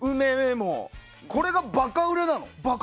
これがバカ売れなの？